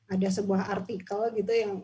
ada sebuah artikel gitu